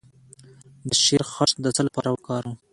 د شیرخشت د څه لپاره وکاروم؟